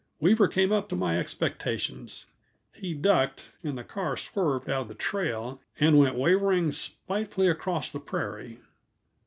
Weaver came up to my expectations. He ducked, and the car swerved out of the trail and went wavering spitefully across the prairie.